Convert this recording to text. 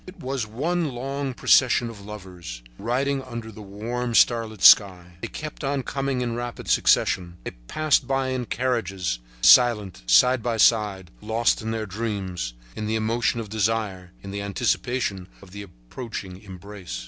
It was one long procession of lovers, riding under the warm, starlit sky. They kept on coming in rapid succession. They passed by in the carriages, silent, side by side, lost in their dreams, in the emotion of desire, in the anticipation of the approaching embrace.